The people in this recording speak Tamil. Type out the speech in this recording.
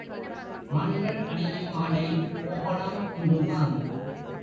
ஆண்கள் அணியும் ஆடை கோவணம் ஒன்றுதான்.